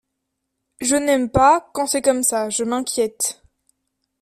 Je n'aime pas, quand c'est comme ça, je m'inquiète.